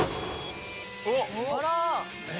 あら！